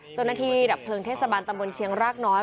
เจ้าหน้าที่ดับเพลิงเทศบาลตำบลเชียงรากน้อย